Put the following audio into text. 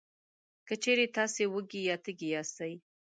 که چېرې تاسې وږي یا تږي یاستی،